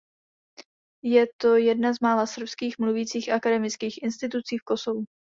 Je to jedna z mála srbských mluvící akademických institucí v Kosovu.